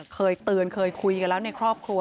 เคยเตือนเคยคุยกันแล้วในครอบครัว